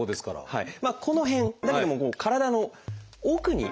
はい。